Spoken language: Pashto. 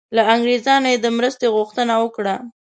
له انګریزانو یې د مرستې غوښتنه وکړه.